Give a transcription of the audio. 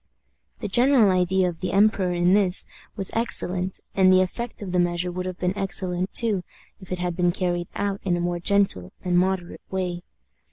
The general idea of the emperor in this was excellent, and the effect of the measure would have been excellent too if it had been carried out in a more gentle and moderate way.